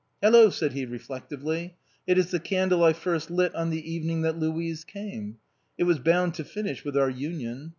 " Hello !" said he reflectively, " it is the candle I first lit on the evening that Louise came — it was bound to finish with our union.